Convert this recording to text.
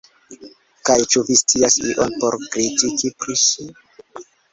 Kaj ĉu vi scias ion por kritiki pri ŝi?